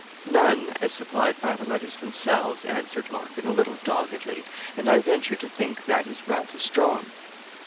'None, as supplied by the letters themselves,' answered Larkin, a little doggedly, 'and I venture to think that is rather strong.'